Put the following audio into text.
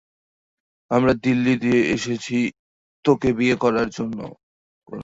আমরা দিল্লি আসছি তোকে বিয়ে করানো জন্য।